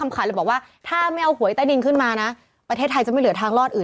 พิสูจน์ความหอมกลิ่นกุหลาบติดทนโลชั่นมิสทีไวท์สปาโรเศ่